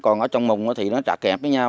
còn ở trong mùng thì nó chặt kẹp với nhau